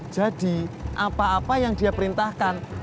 jadi apa apa yang dia perintahkan lo